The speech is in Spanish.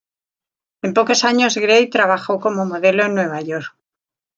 En pocos años Gray trabajó como modelo en Nueva York.